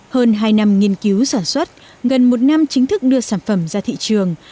hơn hai năm nghiên cứu sản xuất gần một năm chính thức đưa sản phẩm ra thị trường